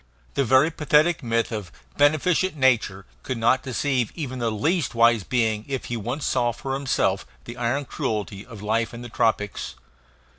The very pathetic myth of "beneficent nature" could not deceive even the least wise being if he once saw for himself the iron cruelty of life in the tropics.